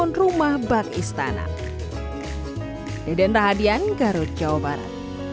untuk membangun rumah bak istana